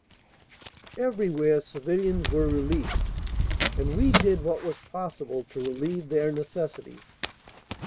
:> Everywhere civilians were released and we did what was possible to relieve their necessities.